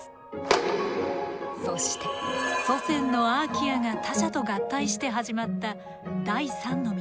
そして祖先のアーキアが他者と合体して始まった第３の道。